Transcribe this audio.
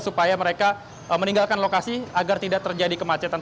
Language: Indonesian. supaya mereka meninggalkan lokasi agar tidak terjadi kemacetan